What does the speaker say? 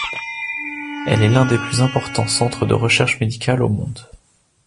Elle est l’un des plus importants centres de recherche médicale au monde.